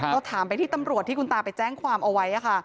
เราถามไปที่ตำรวจที่คุณตาไปแจ้งความเอาไว้ค่ะ